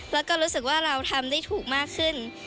แล้วก็รู้สึกว่าเราทำได้ถูกมากขึ้น